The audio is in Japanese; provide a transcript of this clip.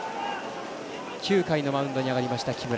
９回のマウンドに上がりました木村。